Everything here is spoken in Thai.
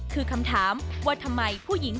คือคำถามว่าทำไมผู้หญิง